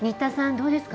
どうですか？